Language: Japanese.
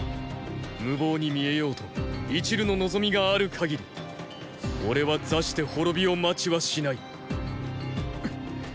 無謀に見えようと一縷の望みがある限り俺は座して滅びを待ちはしない。